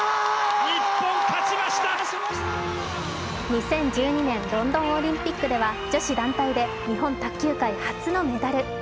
２０１２年ロンドンオリンピックでは女子団体で日本卓球界初のメダル。